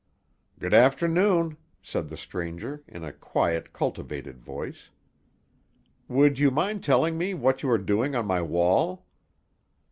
"Good afternoon," said the stranger, in a quiet cultivated voice. "Would you mind telling me what you are doing on my wall."